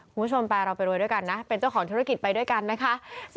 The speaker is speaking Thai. คุณผู้ชมไปเราไปรวยด้วยกันนะเป็นเจ้าของธุรกิจไปด้วยกันนะคะ